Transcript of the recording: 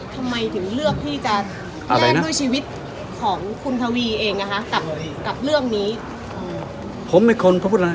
ทำไมถึงเลือกที่จะแยกด้วยชีวิตของคุณทวีเองกับเรื่องนี้